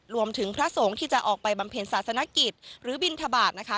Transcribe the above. พระสงฆ์ที่จะออกไปบำเพ็ญศาสนกิจหรือบินทบาทนะคะ